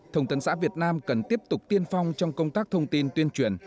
thông tấn xã việt nam cần tiếp tục tiên phong trong công tác thông tin tuyên truyền